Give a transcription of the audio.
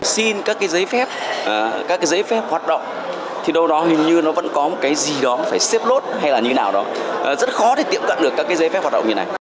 xin các cái giấy phép các cái giấy phép hoạt động thì đâu đó hình như nó vẫn có một cái gì đó phải xếp lốt hay là như nào đó rất khó để tiệm cận được các cái giấy phép hoạt động như thế này